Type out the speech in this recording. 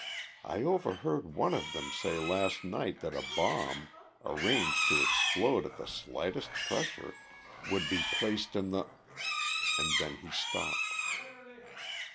I overheard one of them say last night that a bomb, arranged to explode at the slightest pressure, would be placed in the " and then he stopped.